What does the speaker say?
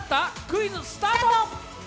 クイズスタート。